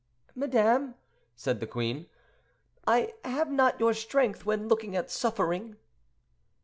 "Madame," said the queen, "I have not your strength when looking at suffering."